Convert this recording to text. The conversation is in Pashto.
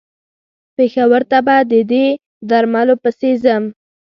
پېښور ته به د دې درملو پسې ځم.